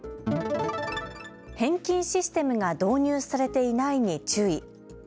返金システムが導入されていないに注意。